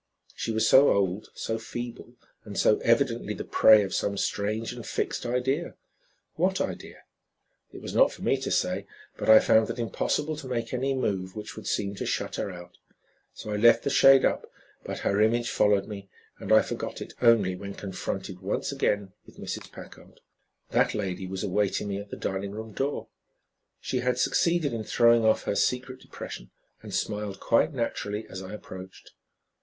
She was so old, so feeble and so, evidently the prey of some strange and fixed idea. What idea? It was not for me to say, but I found it impossible to make any move which would seem to shut her out; so I left the shade up; but her image followed me and I forgot it only when confronted once again with Mrs. Packard. That lady was awaiting me at the dining room door. She had succeeded in throwing off her secret depression and smiled quite naturally as I approached.